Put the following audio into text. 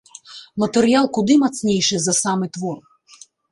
Матэрыял куды мацнейшы за самы твор.